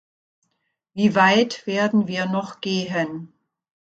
Wie weit werden wir noch gehen?